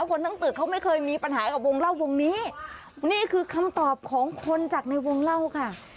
คนทั้งตึกเขาไม่เคยมีปัญหากับวงเล่าวงนี้นี่คือคำตอบของคนจากในวงเล่าค่ะ